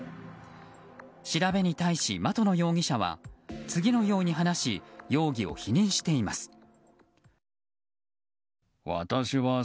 調べに対し的野容疑者は次のように話し容疑を否認しています。